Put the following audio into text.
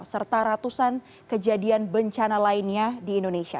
serta ratusan kejadian bencana lainnya di indonesia